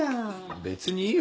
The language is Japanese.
別にいいよ。